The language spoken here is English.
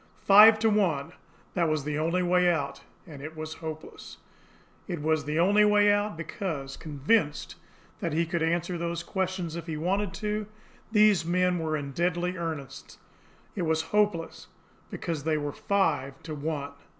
Five to one! That was the only way out and it was hopeless. It was the only way out, because, convinced that he could answer those questions if he wanted to, these men were in deadly earnest; it was hopeless, because they were five to one!